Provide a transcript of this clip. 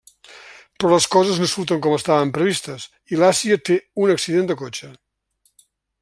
Però les coses no surten com estaven previstes, i l'Àsia té un accident de cotxe.